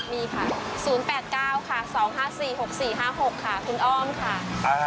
มีค่ะ๐๘๙ค่ะ๒๕๔๖๔๕๖ค่ะคุณอ้อมค่ะ